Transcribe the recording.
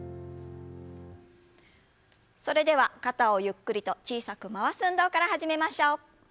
それでは肩をゆっくりと小さく回す運動から始めましょう。